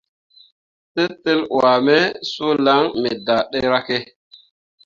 Tetel wuah me suu lan me daa ɗeryakke.